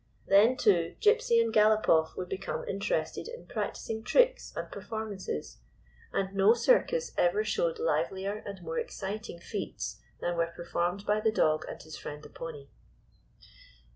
Then, too, Gypsy and Galopoff would become interested in practicing tricks and performances, and no circus ever showed livelier and more exciting feats than were performed by the dog and his friend the pony.